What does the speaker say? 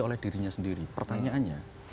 oleh dirinya sendiri pertanyaannya